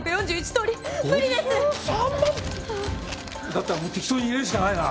だったらもう適当に入れるしかないな。